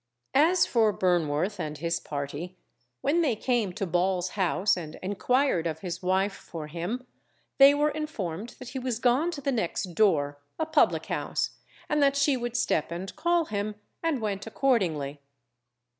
As for Burnworth and his party, when they came to Ball's house and enquired of his wife for him, they were informed that he was gone to the next door, a public house, and that she would step and call him, and went accordingly.